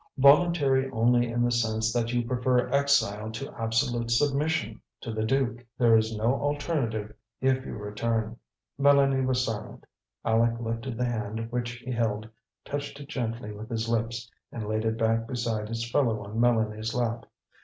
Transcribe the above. "Voluntary only in the sense that you prefer exile to absolute submission to the duke. There is no alternative, if you return." Mélanie was silent. Aleck lifted the hand which he held, touched it gently with his lips and laid it back beside its fellow on Mélanie's lap.